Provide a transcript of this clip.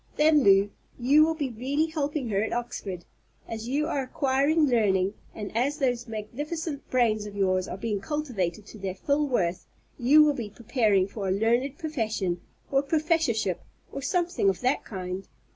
Then, Lew, you will be really helping her at Oxford. As you are acquiring learning, and as those magnificent brains of yours are being cultivated to their full worth, you will be preparing for a learned profession, or a professorship, or something of that kind.